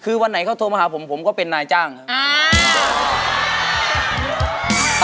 คือวันไหนเขาโทรมาหาผมผมก็เป็นนายจ้างครับ